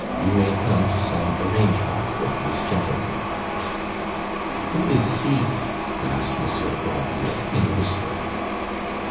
You may come to some arrangement with this gentleman " "Who is he?" asked Monsieur de Granville, in a whisper.